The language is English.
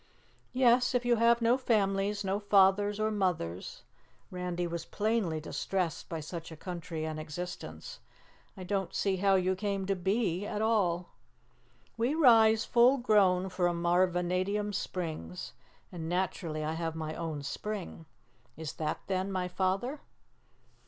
"Yes, if you have no families, no fathers or mothers " Randy was plainly distressed by such a country and existence "I don't see how you came to be at all." "We rise full grown from our Vanadium springs, and naturally I have my own spring. Is that, then, my father?"